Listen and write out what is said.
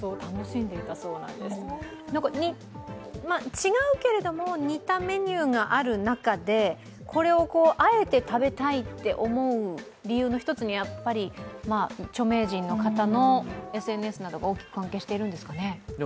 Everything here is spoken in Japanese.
違うけれども、似たメニューがある中でこれをあえて食べたいって思う理由の一つにやっぱり著名人の方のＳＮＳなどが大きく関係しているんですかね。